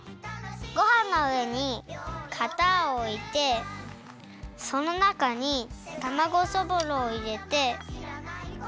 ごはんのうえにかたをおいてそのなかにたまごそぼろをいれて。